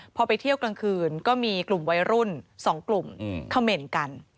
พอไปเที่ยวกลางคืนก็มีกลุ่มวัยรุ่น๒กลุ่มเขม่นกัน